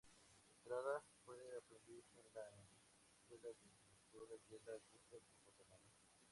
Estrada, fue aprendiz en la Escuela de Escultura Yela Gunther en Guatemala.